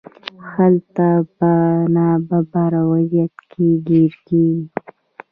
هلته په نابرابر وضعیت کې ګیر کیږي.